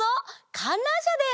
かんらんしゃです！